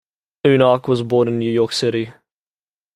Uhnak was born in New York City.